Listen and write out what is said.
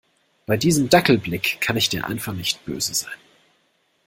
Bei diesem Dackelblick kann ich dir einfach nicht böse sein.